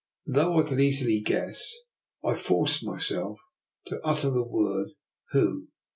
" Though I could easily guess, I managed to force myself to utter the word '* Who?